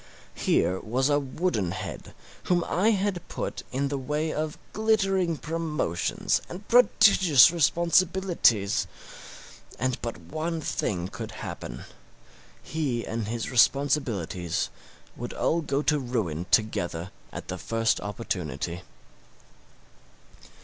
Here was a wooden head whom I had put in the way of glittering promotions and prodigious responsibilities, and but one thing could happen: he and his responsibilities would all go to ruin together at the first opportunity.